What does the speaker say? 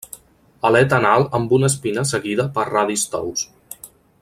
Aleta anal amb una espina seguida per radis tous.